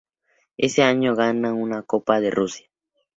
Ese año gana una Copa de Rusia.